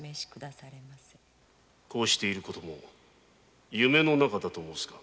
こうしている事も夢の中だと申すのか。